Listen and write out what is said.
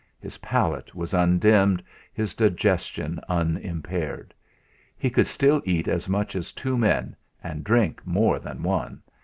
His palate was undimmed, his digestion unimpaired. He could still eat as much as two men, and drink more than one.